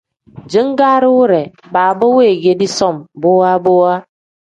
Jingaari wire baaba weegedi som bowa bowa.